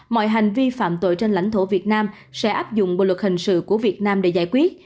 mọi hành vi phạm tội trên lãnh thổ việt nam sẽ áp dụng bộ luật hình sự của việt nam để giải quyết